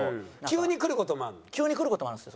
急にくる事もあるんですよ。